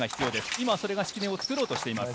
今、敷根がそれを作ろうとしています。